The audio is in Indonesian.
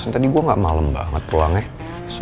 tadi gue nggak malem banget pulangnya